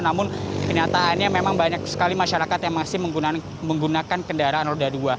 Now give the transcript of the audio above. namun kenyataannya memang banyak sekali masyarakat yang masih menggunakan kendaraan roda dua